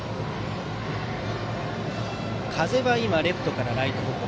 風は今レフトからライト方向。